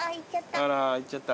あら行っちゃった。